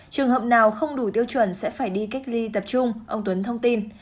trường hợp nào không đủ tiêu chuẩn sẽ phải đi cách ly tập trung ông tuấn thông tin